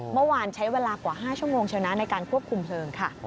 เมื่อวานใช้เวลากว่า๕ชั่วโมงเชียวนะในการควบคุมเพลิงค่ะ